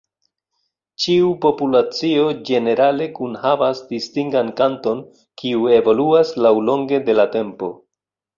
Ĉiu populacio ĝenerale kunhavas distingan kanton, kiu evoluas laŭlonge de la tempo.